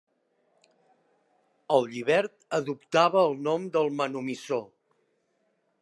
El llibert adoptava el nom del manumissor.